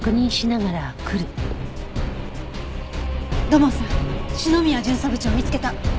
土門さん篠宮巡査部長を見つけた。